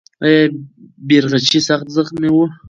آیا بیرغچی سخت زخمي و؟